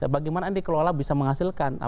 bagaimana dikelola bisa menghasilkan